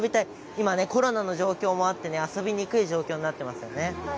今コロナの状況もあって遊びにくい状況になっていますよね。